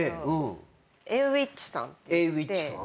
Ａｗｉｃｈさん？